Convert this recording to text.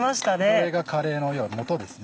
これがカレーの要はもとですね。